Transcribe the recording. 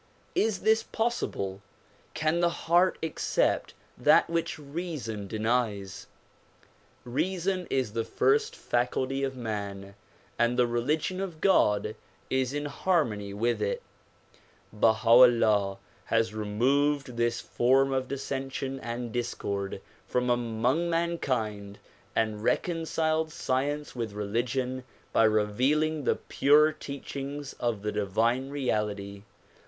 Is this possible! Can the heart accept that which reason denies ? Reason is the first faculty of man and the religion of God is in harmony with it, Baha 'Ullah has removed this form of dissension and discord from among mankind and recon ciled science with religion by revealing the pure teachings of the divine reality.